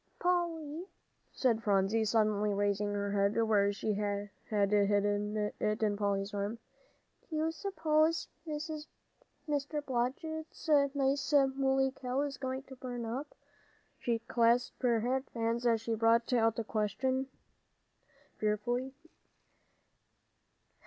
"Polly," said Phronsie, suddenly raising her head where she had hidden it on Polly's arm, "do you suppose Mr. Blodgett's nice mooly cow is going to burn up?" She clasped her fat hands as she brought out the question fearfully.